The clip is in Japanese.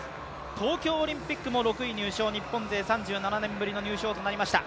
東京オリンピックも６位入賞日本勢３７年ぶりの入賞となりました。